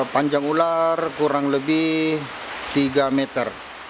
panjang ular kurang lebih tiga meter